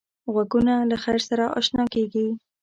غوږونه له خیر سره اشنا کېږي